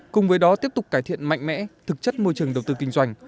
cùng với đó tiếp tục cải thiện mạnh mẽ thực chất môi trường đầu tư kinh doanh